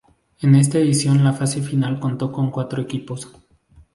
En esta edición la fase final contó con cuatro equipos.